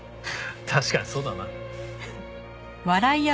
確かにそうだな。